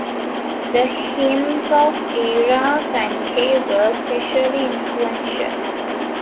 The hymns of Ira Sankey were especially influential.